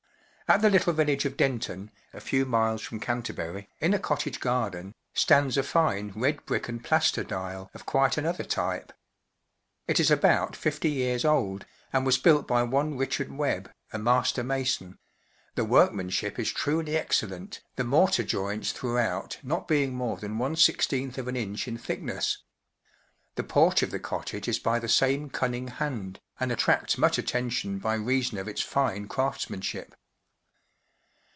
At the little village of Denton, a few miles from Canterbury, in a cottage garden, stands a fine red brick and plaster dial of quite another type. It is about fifty years old, and was built by one Richard Webb, a master mason; the workmanship is truly Digitized by OoO^lC excellent, the mortar joints throughout not being more than one sixteenth of an inch in thick¬ ness, The porch of the cottage is by the same cun¬ ning hand, and attracts much attention by rea¬ son of its fine (Taftsmanship.